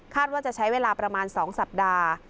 ว่าจะใช้เวลาประมาณ๒สัปดาห์